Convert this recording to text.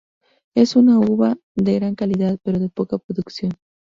Es una uva de gran calidad pero de poca producción.